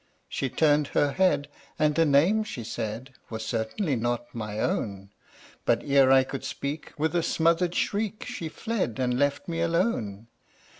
She turned her head and the name she said Was certainly not my own; But ere I could speak, with a smothered shriek She fled and left me alone.